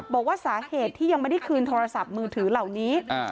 บอกว่าสาเหตุที่ยังไม่ได้คืนโทรศัพท์มือถือเหล่านี้